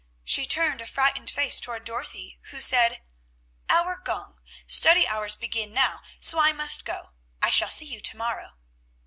She turned a frightened face toward Dorothy, who said, "Our gong; study hours begin now, so I must go: I shall see you to morrow."